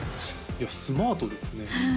いやスマートですねはい